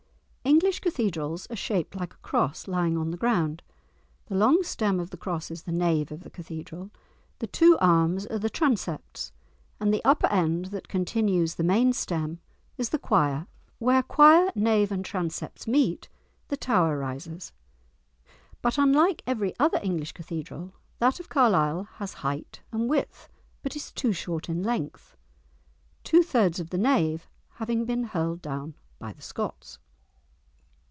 English cathedrals are shaped like a cross lying on the ground; the long stem of the cross is the nave of the cathedral; the two arms are the transepts; and the upper end that continues the main stem is the choir. Where choir, nave and transepts meet, the tower rises. But unlike every other English cathedral, that of Carlisle has height and width, but is too short in length, two thirds of the nave having been hurled down by the Scots!